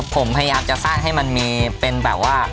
ผมพยายามจะสร้างให้มันมีเป็นแบบว่า